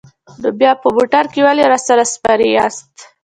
نو بیا په موټر کې ولې راسره سپرې یاست؟